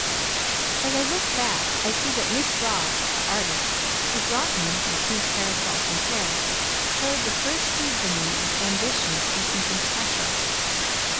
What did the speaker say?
As I look back I see that Miss Ross, the artist who brought me my pink parasol from Paris, sowed the first seeds in me of ambition to do something special.